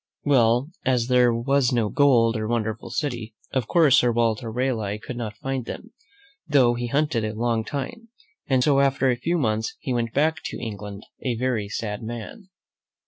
Well, as there was no gold or wonderful city, of course, Sir Walter Raleigh could not find them, though he hunted a long time, and so, after a few months, he went back to England a very sad man.